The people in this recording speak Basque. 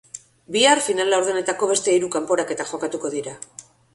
Bihar, final-laurdenetako beste hiru kanporaketak jokatuko dira.